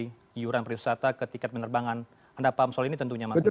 mas menteri yuran perwisata ketika penerbangan anda paham soal ini tentunya mas menteri